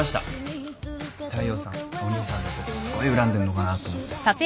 大陽さんお兄さんのことすごい恨んでるのかなと思って。